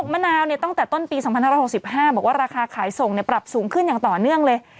มะนาวตั้งแต่ต้นปี๒๕๖๕บอกว่าราคาขายส่งปรับสูงขึ้นอย่างต่อเนื่องเลย